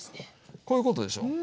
こういうことでしょ。